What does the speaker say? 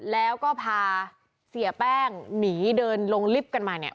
แล้วก็พาเสียแป้งหนีเดินลงลิฟต์กันมาเนี่ย